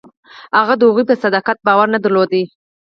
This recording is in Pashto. هغه د هغوی په صداقت باور نه درلود.